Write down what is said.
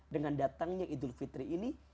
dengan datangnya idul fitri ini